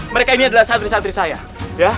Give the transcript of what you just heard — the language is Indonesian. mereka ini adalah santri santri saya ya